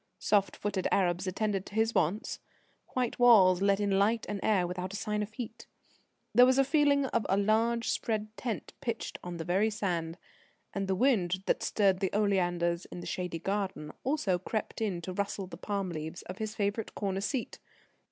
Soft footed Arabs attended to his wants; white walls let in light and air without a sign of heat; there was a feeling of a large, spread tent pitched on the very sand; and the wind that stirred the oleanders in the shady gardens also crept in to rustle the palm leaves of his favourite corner seat.